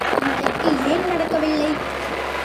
இன்றைக்கு ஏன் நடக்கவில்லை?